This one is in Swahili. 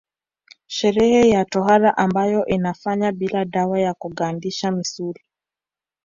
Sherehe ya tohara ambayo inafanywa bila dawa ya kugandisha misuli